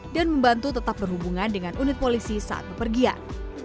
dan membantu tetap berhubungan dengan unit polisi saat berpergian